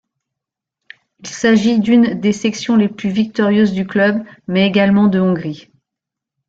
Il s'agit d'une des sections les plus victorieuses du club mais également de Hongrie.